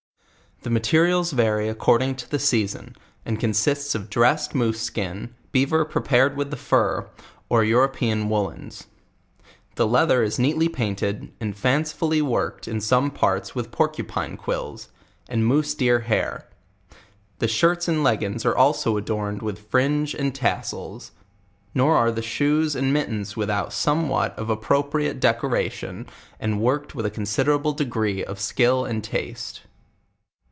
1 he materials vary according to the season, end consists of dressed moose skin, beaver prepared with the fur, or European woollens. Trie leather is neatly painted, and fancifully worked ir. some parts with porcupine quills, and moose deer hair; the shirts and leggins are also adorned with fringe and tassals; nor are the shoes and mittens with out somewhat of appropriate decoration, and worked with a considerable degree of skill and taste.